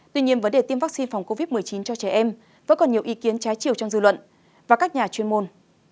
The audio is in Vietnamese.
tuy nhiên vấn đề tiêm vaccine phòng covid một mươi chín cho trẻ em vẫn còn nhiều ý kiến trái chiều trong dư luận và các nhà chuyên môn